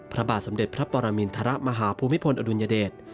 พระบาทสมเด็จพระปรมินทรมาฮภูมิพลอดุลยเดช